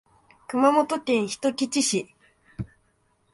熊本県人吉市